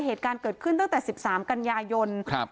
เหตุการณ์เกิดขึ้นตั้งแต่๑๓กันยายน